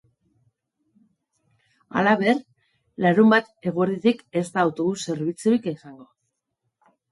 Halaber, larunbat eguerditik ez da autobus zerbitzurik izango.